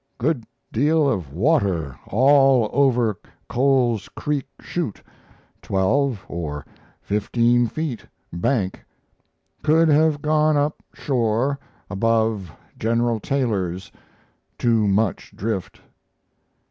Good deal of water all over Coles Creek Chute, 12 or 15 ft. bank could have gone up shore above General Taylor's too much drift....